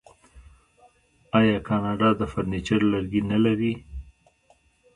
آیا کاناډا د فرنیچر لرګي نلري؟